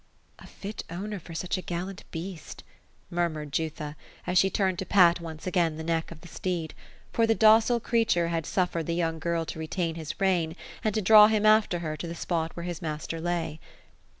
" A fit owner for such a gallant beast !'* murmured Jutha, as she turned to pat once again the neck of the steed ; for the docile creature had suffered the young girl to retain his rein, and to draw him after her to the spot where his master lay.